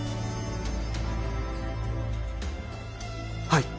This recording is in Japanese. はい。